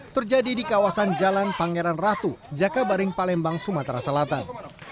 terjadi di kawasan jalan pangeran ratu jakabaring palembang sumatera selatan